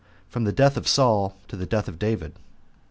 From The Death Of Saul To The Death Of David.